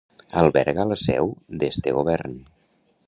Alberga la seu d'este govern.